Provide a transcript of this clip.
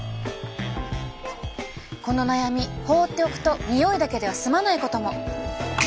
この悩み放っておくとにおいだけでは済まないことも。